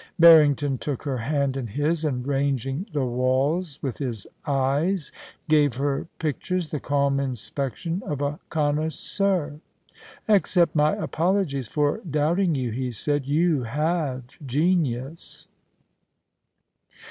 Barrington took her hand in his, and ranging the walls with his eyes, gave her pictures the calm inspection of a connoisseur. * Accept my apologies for doubting you,* he said. * You have genius.